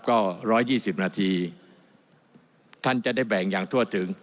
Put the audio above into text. ก็๑๒๐นาทีท่านจะได้แบ่งอย่างทั่วถึง